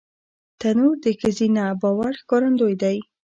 تنور د ښځینه باور ښکارندوی دی